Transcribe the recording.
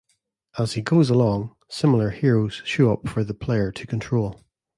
As he goes along, similar heroes show up for the player to control.